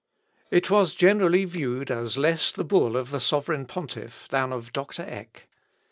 " It was generally viewed as less the bull of the sovereign pontiff, than of Dr. Eck.